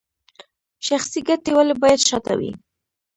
شخصي ګټې ولې باید شاته وي؟